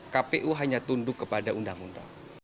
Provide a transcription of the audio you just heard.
kpu hanya tunduk kepada undang undang